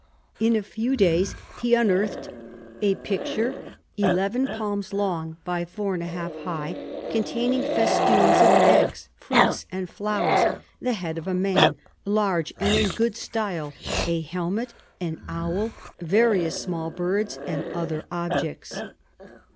In a few days he unearthed "a picture eleven palms long by four and one half high, containing festoons of eggs, fruits and flowers, the head of a man, large and in good style, a helmet, an owl, various small birds and other objects."